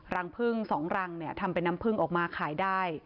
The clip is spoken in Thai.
รังพึ่ง๒รังเนี่ยทำเป็นน้ำพึ่งออกมาขายได้